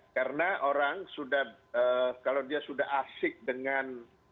karena orang sudah kalau dia sudah asyik dengan